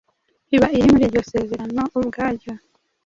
iba iri muri iryo sezerano ubwaryo.